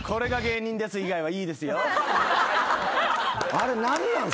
あれ何なん？